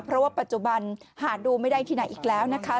เพราะว่าปัจจุบันหาดูไม่ได้ที่ไหนอีกแล้วนะคะ